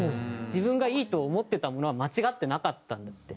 自分がいいと思ってたものは間違ってなかったんだって。